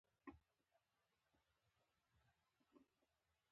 په خصوصي سازۍ کې کوم پرمختګ نه تر سترګو کېده.